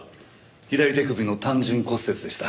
左手首の単純骨折でした。